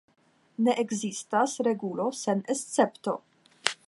Ne ekzistas regulo sen escepto.